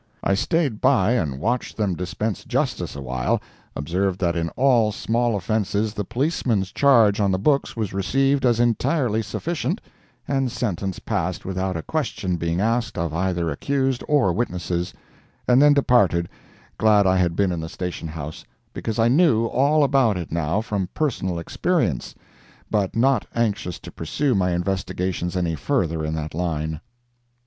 I staid by and watched them dispense justice a while, observed that in all small offences the policeman's charge on the books was received as entirely sufficient, and sentence passed without a question being asked of either accused or witnesses—and then departed, glad I had been in the Station House, because I knew all about it now from personal experience, but not anxious to pursue my investigations any further in that line.